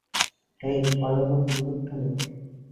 হেই, পরেরবার, বন্দুকটা নেবে।